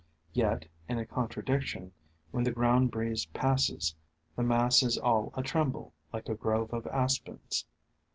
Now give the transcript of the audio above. Yet, in con tradiction, when the ground breeze passes, the mass is all a tremble, like a grove of Aspens.